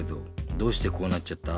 どうしてこうなっちゃった？